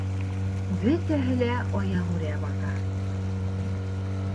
Бөтәһе лә аяҡ үрә баҫа.